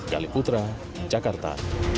gali putra jakarta